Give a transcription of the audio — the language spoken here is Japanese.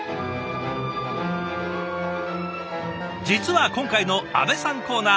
実は今回の阿部さんコーナー